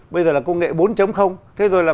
bây giờ là công nghệ bốn thế rồi là